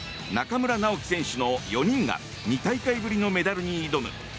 中村直幹選手の４人が２大会ぶりのメダルに挑む。